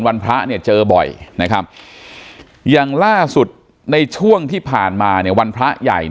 วันพระเจอบ่อยนะค่ะอย่างล่าสุดในช่วงที่ผ่านมาวันพระใหญ่